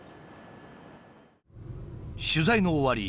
取材の終わり